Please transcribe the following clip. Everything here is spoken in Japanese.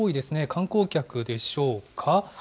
観光客でしょうか。